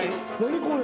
これ。